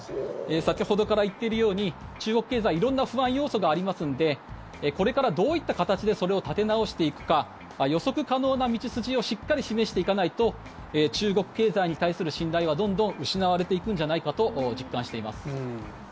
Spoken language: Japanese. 先ほどから言っているように中国経済色んな不安要素がありますのでこれからどういった形でそれを立て直していくか予測可能な道筋をしっかり示していかないと中国経済に対する信頼はどんどん失われていくんじゃないかと実感しています。